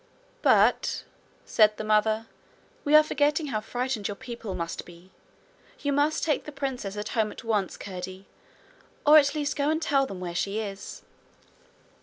'But,' said the mother, 'we are forgetting how frightened your people must be. You must take the princess home at once, Curdie or at least go and tell them where she is.'